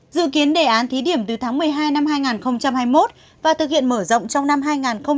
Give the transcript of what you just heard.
dự kiến đề án thí điểm từ tháng một mươi hai năm hai nghìn hai mươi một và thực hiện mở rộng trong năm hai nghìn hai mươi